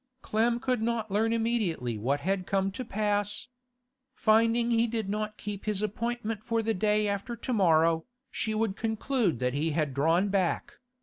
Clem could not learn immediately what had come to pass. Finding he did not keep his appointment for the day after to morrow, she would conclude that he had drawn back.